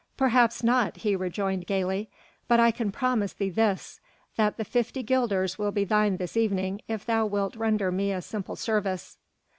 "Perhaps not," he rejoined gaily. "But I can promise thee this; that the fifty guilders will be thine this evening, if thou wilt render me a simple service."